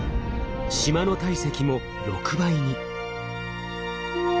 島の体積も６倍に。